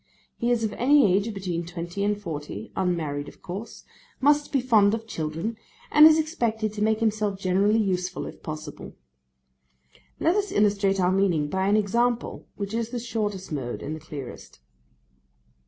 He is of any age between twenty and forty, unmarried of course, must be fond of children, and is expected to make himself generally useful if possible. Let us illustrate our meaning by an example, which is the shortest mode and the clearest.